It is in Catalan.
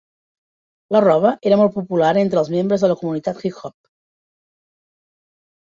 La roba era molt popular entre els membres de la comunitat hip-hop.